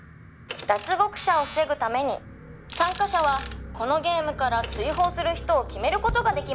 「脱獄者を防ぐために参加者はこのゲームから追放する人を決める事ができます」